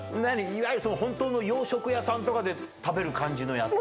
いわゆる本当の洋食屋さんとかで食べる感じのやつ？